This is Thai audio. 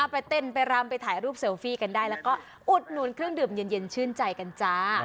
ไปเต้นไปรำไปถ่ายรูปเซลฟี่กันได้แล้วก็อุดหนุนเครื่องดื่มเย็นชื่นใจกันจ้า